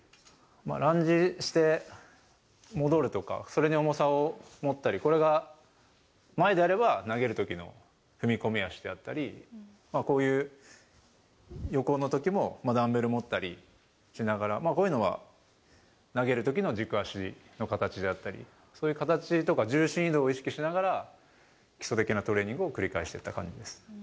ランジして戻るとか、それに重さを持ったり、これが前であれば投げるときの踏み込み足であったり、こういう横のときもダンベル持ったりしながら、こういうのは投げるときの軸足の形であったり、そういう形とか重心移動を意識ながら、基礎的なトレーニングを繰り返していた感じです。